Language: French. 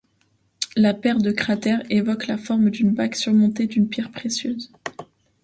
La paire de cratère évoque la forme d'une bague surmontée d'une pierre précieuse.